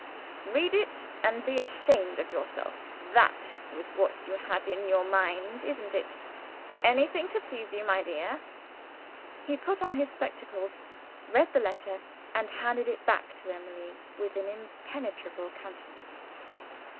"'Read it, and be ashamed of yourself' That was what you had in your mind, isn't it? Anything to please you, my dear." He put on his spectacles, read the letter, and handed it back to Emily with an impenetrable countenance.